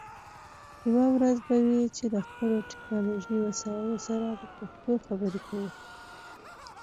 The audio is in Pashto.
یوه ورځ به وي چې له خپلو ټکنالوژی وسایلو سره په پښتو خبرې کوو